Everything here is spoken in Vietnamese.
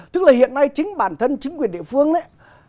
tức là hiện nay chính bản thân chính quyền địa phương đấy